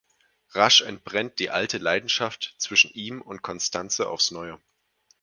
Rasch entbrennt die alte Leidenschaft zwischen ihm und Constanze aufs Neue.